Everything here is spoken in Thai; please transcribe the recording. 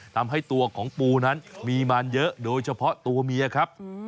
ทำให้ตัวของปูนั้นมีมารเยอะโดยเฉพาะตัวเมียครับ